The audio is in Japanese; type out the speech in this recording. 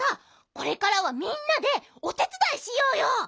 これからはみんなでおてつだいしようよ。